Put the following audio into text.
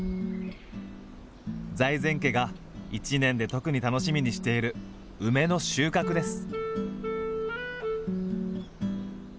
財前家が一年で特に楽しみにしている梅の収穫です。